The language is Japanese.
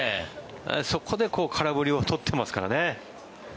そこで空振りを取ってますからね。